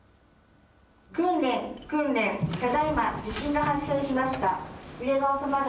訓練、訓練、ただいま、地震が発生しました。